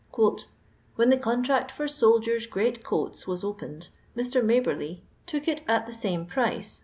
When the contract for soldier's greatcoats was opened, Mr. Maberly took it at the same price (13«.)